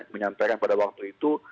menyampaikan pada waktu itu